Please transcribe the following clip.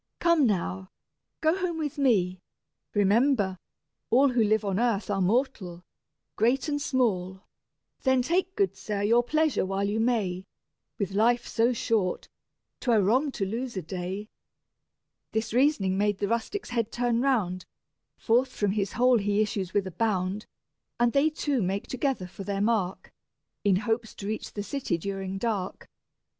Come now, go home with me: remember, all Who live on earth are mortal, great and small: Then take, good sir, your pleasure while you may; With life so short, 'twere wrong to lose a day." This reasoning made the rustic's head turn round; Forth from his hole he issues with a bound, And they two make together for their mark, In hopes to reach the city during dark.